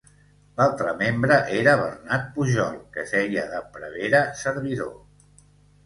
L'altra membre era Bernat Pujol, que feia de prevere servidor.